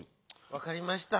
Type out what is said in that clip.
わかりました。